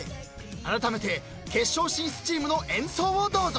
［あらためて決勝進出チームの演奏をどうぞ］